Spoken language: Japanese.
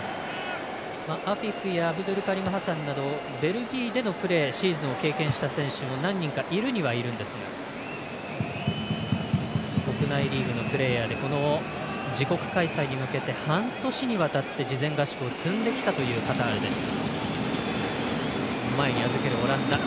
アフィフやアブドゥルカリム・ハサンなどベルギーでのプレーシーズンを経験した選手も何人かいるにはいるんですが国内リーグのプレーヤーで自国開催に向けて半年にわたって事前合宿を積んできたというカタールです。